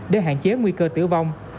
để hạn chế nguy cơ tử vong